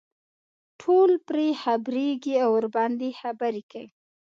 ټول پرې خبرېږي او ورباندې خبرې کوي.